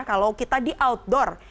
kalau kita di outdoor